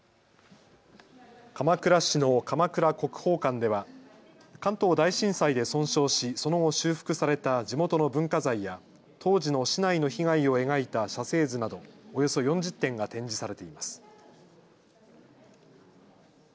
鎌倉市の鎌倉国宝館では関東大震災で損傷し、その後、修復された地元の文化財や当時の市内の被害を描いた写生図などおよそ４０点が展示されています。